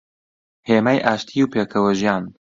هێمای ئاشتی و پێکەوەژیان